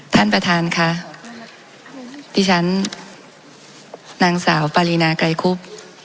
ท่านประธานค่ะดิฉันนางสาวปารีนาไกรคุบ